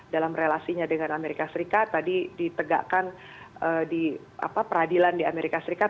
dalam relasinya dengan amerika serikat tadi ditegakkan di peradilan di amerika serikat